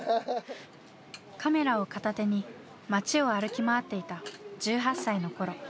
カメラを片手に街を歩き回っていた１８歳の頃。